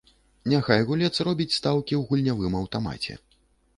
Няхай гулец робіць стаўкі ў гульнявым аўтамаце.